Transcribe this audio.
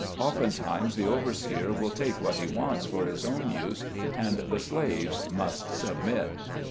Often times the overseer will take what he wants for his own use, and the slaves must submit.